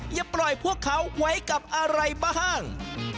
อย่าปล่อยพวกเขาไว้กับอะไรบ้าง